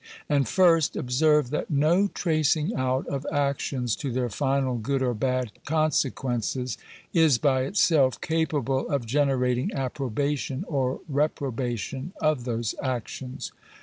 And first, observe that no tracing out of actions to their final good or bad con sequences, is, by itself, capable of generating approbation, or reprobation, of those actions.